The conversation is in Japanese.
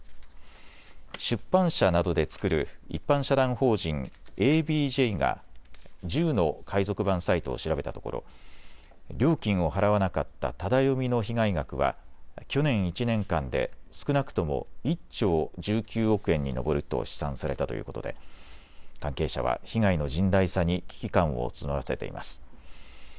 出版社などで作る一般社団法人ＡＢＪが１０の海賊版サイトを調べたところ料金を払わなかったタダ読みの被害額は去年１年間で少なくとも１兆１９億円に上ると試算されたということで関係者は被害の甚大さに危機感を募らせています。